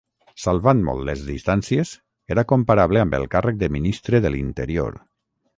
Salvant molt les distàncies, era comparable amb el càrrec de Ministre de l'Interior.